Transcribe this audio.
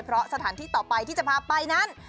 เพราะสถานที่ต่อไปที่จะพาไปนั้น